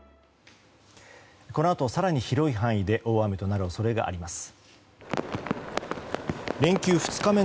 このあと、更に広い範囲で大雨となる恐れがあります。